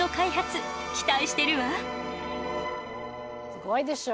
すごいでしょ？